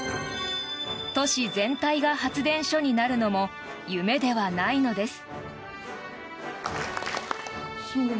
都市全体が発電所になるのも夢ではないのです。